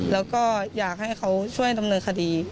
แล้วก็อยากให้เขาช่วยดำเนินคดี